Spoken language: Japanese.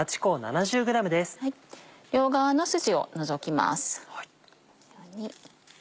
両側のスジを除きます。